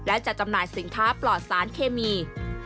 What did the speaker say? และจะจำหน่ายสินค้าปลอดสารเคมี